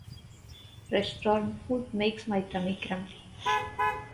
Restaurant food makes my tummy grumpy